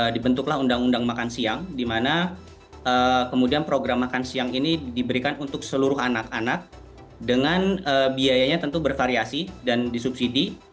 dibentuklah undang undang makan siang di mana kemudian program makan siang ini diberikan untuk seluruh anak anak dengan biayanya tentu bervariasi dan disubsidi